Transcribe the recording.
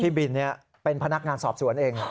บินเป็นพนักงานสอบสวนเอง